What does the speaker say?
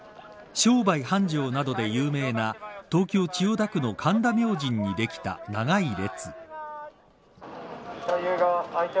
商売繁盛などで有名な東京、千代田区の神田明神にできた長い列。